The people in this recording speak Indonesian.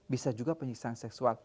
bisa juga penyisian seksual